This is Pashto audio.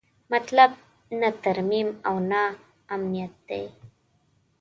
مطلب نه ترمیم او نه امنیت دی.